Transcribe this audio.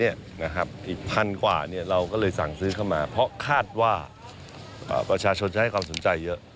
อีกพันกว่าเราก็เลยสั่งซื้อเข้ามาเพราะคาดว่าประชาชนจะให้ความสนใจเยอะ